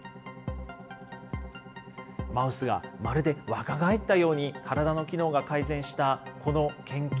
マウスがまるで若返ったように体の機能が改善したこの研究。